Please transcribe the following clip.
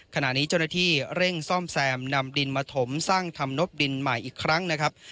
ขณะนี้เจ้าหน้าที่เร่งซ่อมแซมนำดินมาถมสร้างทำนบดินใหม่อีกครั้งนะครับ